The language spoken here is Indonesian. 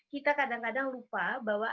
kita kadang kadang lupa bahwa